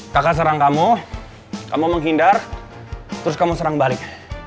kakak serang kamu kamu menghindar terus kamu serang balik